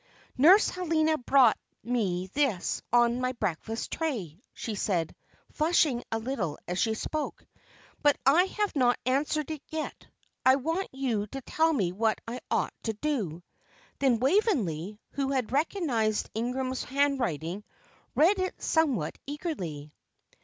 "Nurse Helena brought me this on my breakfast tray," she said, flushing a little as she spoke; "but I have not answered it yet. I want you to tell me what I ought to do." Then Waveney, who had recognized Ingram's handwriting, read it somewhat eagerly.